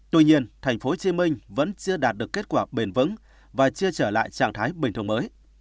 tuy nhiên tp hcm vẫn chưa đạt được kết quả bền vững và chưa trở lại trạng thái bình thường mới